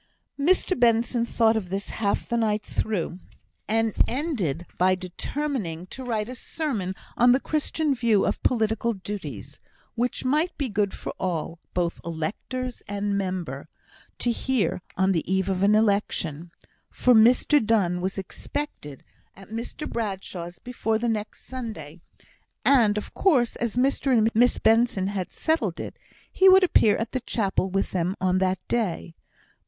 Mr Benson thought of this half the night through; and ended by determining to write a sermon on the Christian view of political duties, which might be good for all, both electors and member, to hear on the eve of an election. For Mr Donne was expected at Mr Bradshaw's before the next Sunday; and, of course, as Mr and Miss Benson had settled it, he would appear at the chapel with them on that day.